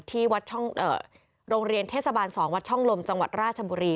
ที่วัดโรงเรียนเทศบาล๒วัดช่องลมจังหวัดราชบุรี